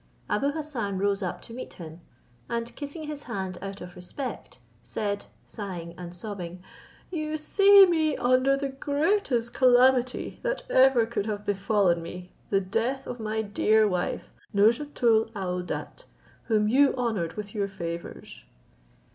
Abou Hassan rose up to meet him, and kissing his hand out of respect, said, sighing and sobbing, "You see me under the greatest calamity that ever could have befallen me the death of my dear wife, Nouzhatoul aouadat, whom you honoured with your favours."